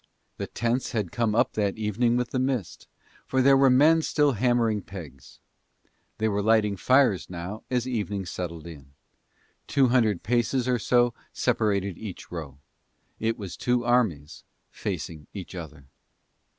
The tents had come up that evening with the mist, for there were men still hammering pegs. They were lighting fires now as evening settled in. Two hundred paces or so separated each row. It was two armies facing each other.